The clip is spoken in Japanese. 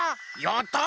やった！